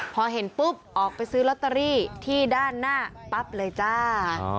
พอเห็นปุ๊บออกไปซื้อลอตเตอรี่ที่ด้านหน้าปั๊บเลยจ้า